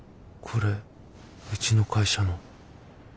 これうちの会社の。